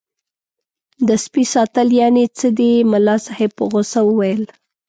د سپي ساتل یعنې څه دي ملا صاحب په غوسه وویل.